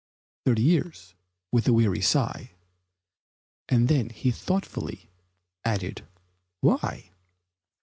"Thirty years" (with a weary sigh), And then he thoughtfully added, "Why?"